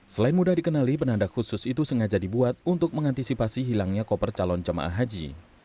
selain mudah dikenali penanda khusus itu sengaja dibuat untuk mengantisipasi hilangnya koper calon jemaah haji